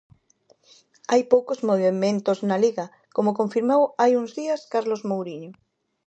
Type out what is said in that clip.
Hai poucos movementos na Liga como confirmou hai uns días Carlos Mouriño.